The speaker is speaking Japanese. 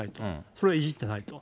それいじってないと。